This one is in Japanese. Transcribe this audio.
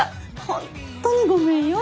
ほんとにごめんよ。